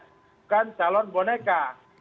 bukan calon boneka